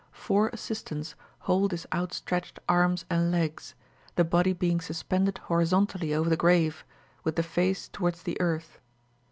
Four assistants hold his outstretched arms and legs, the body being suspended horizontally over the grave, with the face toward the earth.